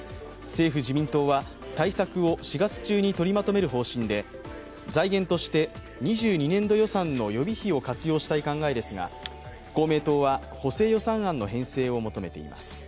政府・自民党は、対策を４月中に取りまとめる方針で、財源として２２年度予算の予備費を活用したい考えですが、公明党は補正予算案の編成を求めています。